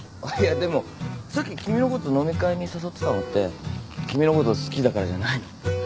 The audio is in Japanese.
あっいやでもさっき君のこと飲み会に誘ってたのって君のこと好きだからじゃないの？